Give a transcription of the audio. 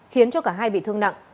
khiến cho cả hai bị thương nặng